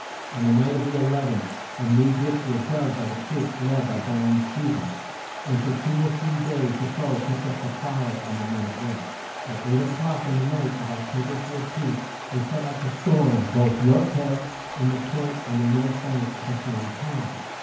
On the night of the 11th, a new ditch was dug by the troops led by Bar on Steu ben, and for two or three days the foe kept up a fire on the men at work. At eight o'clock on the night of Oc to ber 14, they set out to storm both York town and the Point on the north bank at the same time.